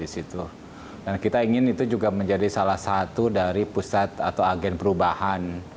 kita ingin itu juga menjadi salah satu dari pusat atau agen perubahan